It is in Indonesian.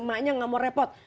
maknya gak mau repot